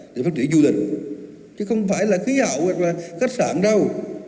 để phát triển du lịch chứ không phải là khí hậu hoặc là khách sạn đâu